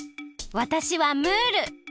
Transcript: わたしはムール。